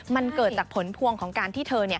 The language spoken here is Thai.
มันเกิดจากผลพวงของการที่เธอเนี่ย